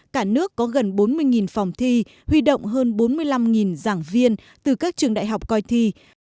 cả nước có gần bốn mươi phòng thi huy động hơn bốn mươi năm giảng viên từ các trường đại học coi thi